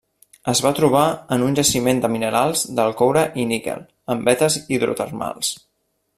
Es va trobar en un jaciment de minerals del coure i níquel, en vetes hidrotermals.